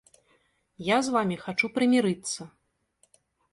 Я з вамі хачу прымірыцца.